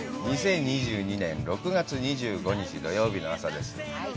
２０２２年６月２５日、土曜日の朝です。